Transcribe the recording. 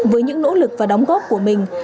với những nỗ lực và đóng góp của mình